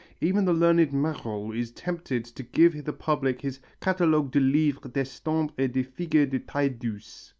Even the learned Marolles is tempted to give to the public his Catalogue de livres d'estampes et de figures de taille douce.